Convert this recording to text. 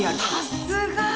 さすがぁ。